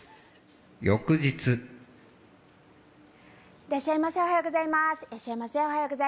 いらっしゃいませおはようございます。